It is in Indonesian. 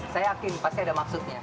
saya yakin pasti ada maksudnya